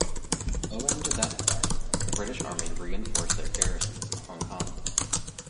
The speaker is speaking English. Owing to that threat, the British Army reinforced their garrisons in Hong Kong.